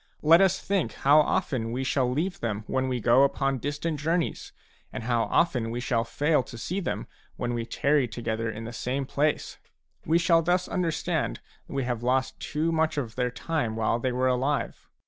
Let us think how often we shall leave them when we go upon distant journeys, and how often we shall fail to see them when we tarry together in the same place ; we shall thus understand that we have lost too much of their time while they were alive.